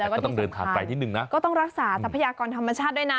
แล้วก็ต้องเดินทางไกลนิดนึงนะก็ต้องรักษาทรัพยากรธรรมชาติด้วยนะ